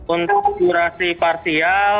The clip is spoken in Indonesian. untuk gerhana bulan total